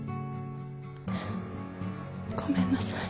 ごめんなさい。